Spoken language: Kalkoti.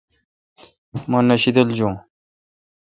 مہ نہ شیدل جون۔